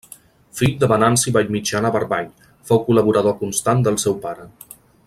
Fill de Venanci Vallmitjana Barbany, fou col·laborador constant del seu pare.